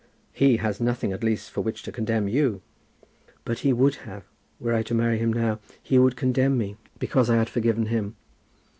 "He has nothing, at least, for which to condemn you." "But he would have, were I to marry him now. He would condemn me because I had forgiven him.